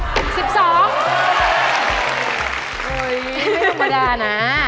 โอ๊ยไม่ธรรมดานะ